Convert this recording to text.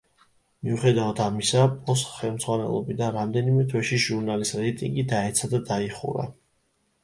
მიუხედავად ამისა, პოს ხელმძღვანელობიდან რამდენიმე თვეში ჟურნალის რეიტინგი დაეცა და დაიხურა.